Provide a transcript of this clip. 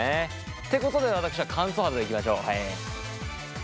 ってことで私は乾燥肌でいきましょう。